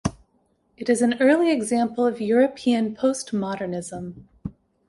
It is an early example of European Postmodernism.